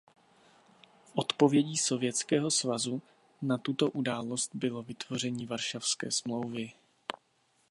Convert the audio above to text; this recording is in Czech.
Odpovědí Sovětského svazu na tuto událost bylo vytvoření Varšavské smlouvy.